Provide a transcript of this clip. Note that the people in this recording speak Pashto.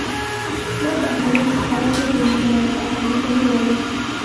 ما بهرنی سفارت نه دی لیدلی او اړیکه نه لرم.